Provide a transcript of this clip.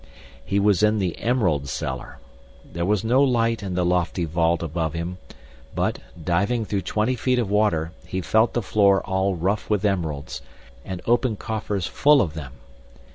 He was in the emerald cellar. There was no light in the lofty vault above him, but, diving through twenty feet of water, he felt the floor all rough with emeralds, and open coffers full of them.